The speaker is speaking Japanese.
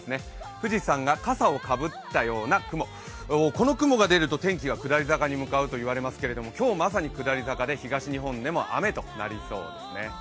富士山がかさをかぶったような雲、この雲が出ると天気が下り坂になってきます、今日もまさに下り坂で東日本でも雨となりそうですね。